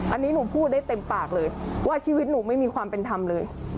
อันนี้หนูพูดได้เต็มปากเลยว่าชีวิตหนูไม่มีความเป็นธรรมเลย